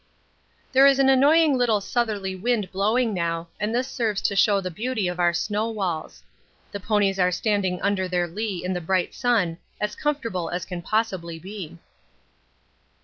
There is an annoying little southerly wind blowing now, and this serves to show the beauty of our snow walls. The ponies are standing under their lee in the bright sun as comfortable as can possibly be.